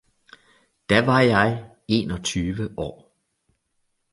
Da var jeg enogtyve år